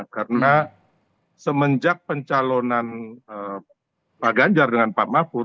karena semenjak pencalonan pak ganjar dengan pak mahfud